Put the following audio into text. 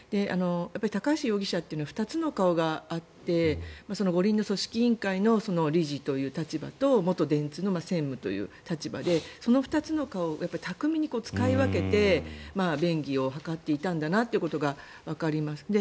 高橋容疑者というのは２つの顔があって五輪の組織委員会の理事という立場と元電通の専務という立場でその２つの顔を巧みに使い分けて便宜を図っていたんだなということがわかります。